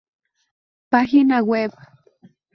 Página web.